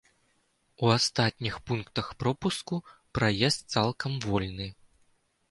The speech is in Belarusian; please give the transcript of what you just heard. У астатніх пунктах пропуску праезд цалкам вольны.